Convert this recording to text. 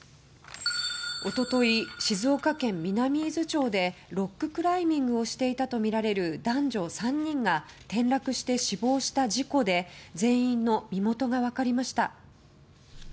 一昨日、静岡県南伊豆町でロッククライミングをしていたとみられる男女３人が転落して死亡した事故で全員の身元が分かりました。